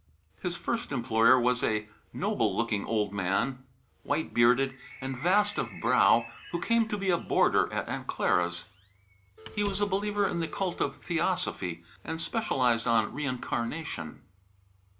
His first employer was a noble looking old man, white bearded, and vast of brow, who came to be a boarder at Aunt Clara's. He was a believer in the cult of theosophy and specialized on reincarnation.